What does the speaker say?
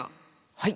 はい。